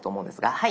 はい。